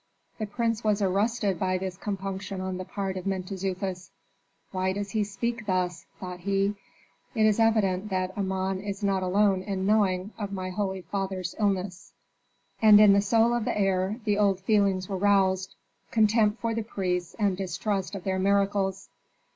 The prince was arrested by this compunction on the part of Mentezufis. "Why does he speak thus?" thought he. "It is evident that Amon is not alone in knowing of my holy father's illness." And in the soul of the heir the old feelings were roused, contempt for the priests and distrust of their miracles.